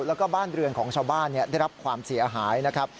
แล้วก็บ้านเรือนของชาวบ้านได้รับความเสียหายนะครับ